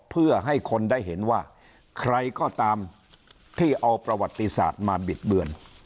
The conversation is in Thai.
เพื่อให้คนได้เห็นว่าใครก็ตามที่เอาประวัติศาสตร์มาบิดเบือน